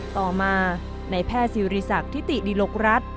ต่อมาในแพร่ศิริษักร์ทิติดิรกรัฐ